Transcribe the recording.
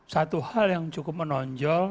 satu hal yang cukup menonjol